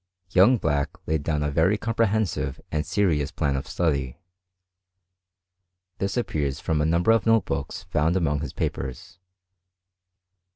Young Black laid down a very comprehensive and serious plan of study. This appears from a number of note books found among his papers.